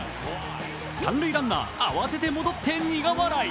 三塁ランナー、慌てて戻って苦笑い。